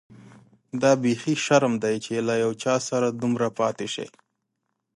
دا بيخي شرم دی چي له یو چا سره دومره پاتې شې.